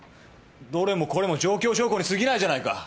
どれもこれも状況証拠に過ぎないじゃないか！